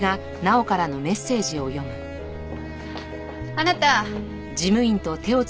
あなた。